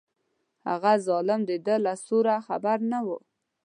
هغه ظالم د ده له سوره خبر نه و.